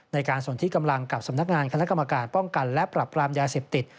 ในการส่วนที่กำลังกับสำนักงานคณะกรรมการป้องกันและปรับปรามยาเสพติด